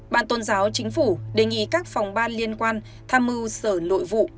ban tôn giáo chính phủ đề nghị các phòng ban liên quan tham mưu sở nội vụ